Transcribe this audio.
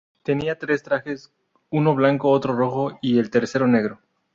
Tenía tres trajes: uno blanco, otro rojo y el tercero negro.